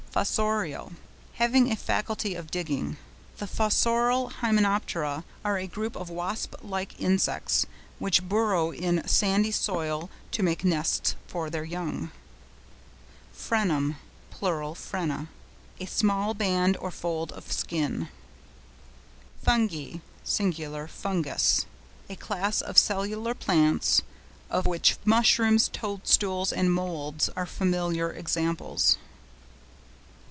FOSSORIAL.—Having a faculty of digging. The Fossorial Hymenoptera are a group of Wasp like Insects, which burrow in sandy soil to make nests for their young. FRENUM (pl. FRENA).—A small band or fold of skin. FUNGI (sing. FUNGUS).—A class of cellular plants, of which Mushrooms, Toadstools, and Moulds, are familiar examples.